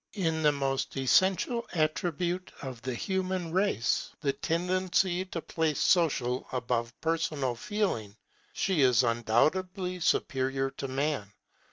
In the most essential attribute of the human race, the tendency to place social above personal feeling, she is undoubtedly superior to man.